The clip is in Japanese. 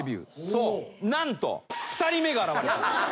そう何と２人目が現れた。